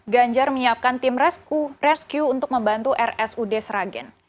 ganjar menyiapkan tim rescue untuk membantu rsud sragen